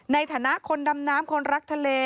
ในฐานะคนดำน้ำคนรักทะเล